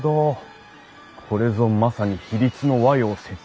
これぞまさに比率の和洋折衷。